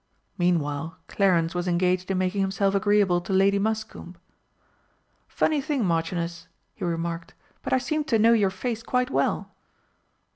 Meanwhile Clarence was engaged in making himself agreeable to Lady Muscombe. "Funny thing, Marchioness," he remarked, "but I seem to know your face quite well."